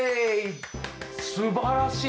すばらしい！